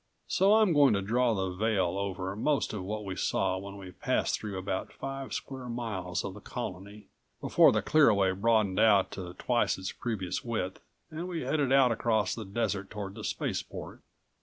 So I'm going to draw the veil over most of what we saw when we passed through about five square miles of the Colony, before the clear away broadened out to twice its previous width and we headed out across the desert toward the spaceport.